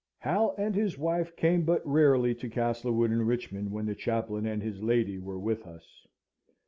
Hal and his wife came but rarely to Castlewood and Richmond when the chaplain and his lady were with us.